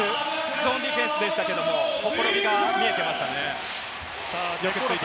ゾーンディフェンスでしたけれど、ほころびが見えていましたね。